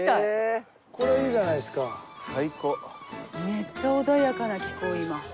めっちゃ穏やかな気候今。